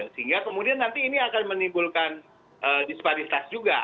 sehingga kemudian nanti ini akan menimbulkan disparitas juga